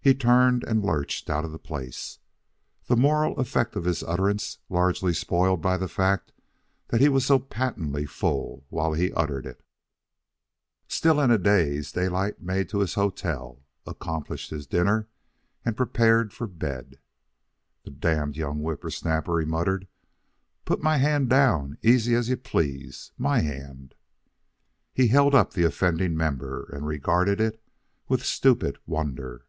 He turned and lurched out of the place, the moral effect of his utterance largely spoiled by the fact that he was so patently full while he uttered it. Still in a daze, Daylight made to his hotel, accomplished his dinner, and prepared for bed. "The damned young whippersnapper!" he muttered. "Put my hand down easy as you please. My hand!" He held up the offending member and regarded it with stupid wonder.